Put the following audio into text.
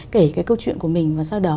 kể cái câu chuyện của mình và sau đó